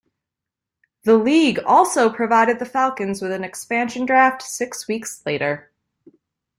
The league also provided the Falcons with an expansion draft six weeks later.